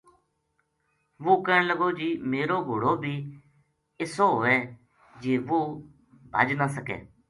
وہ کہن لگو جی میرو گھوڑو بی اِسو ہووے جی وہ بھج نہ سکے